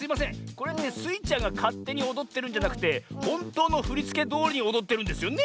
これってスイちゃんがかってにおどってるんじゃなくてほんとうのふりつけどおりにおどってるんですよね？